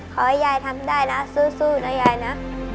ขอให้ยายทำได้นะสู้นะยายนะ